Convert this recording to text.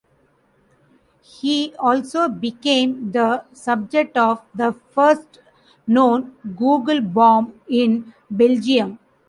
He also became the subject of the first known Googlebomb in Belgium.